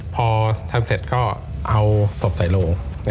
พอทำเสร็จก็เอาศพใส่ลง